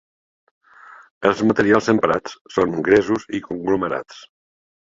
Els materials emprats són gresos i conglomerats.